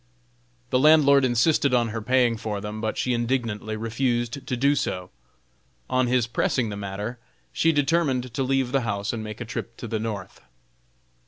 The landlord insisted on her paying for them, but she indignantly refused to do so. On his pressing the matter, she determined to leave the house and make a trip to the North.